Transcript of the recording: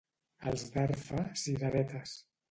Els d'Arfa, cireretes.